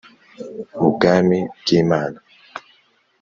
mu bwami bw Imana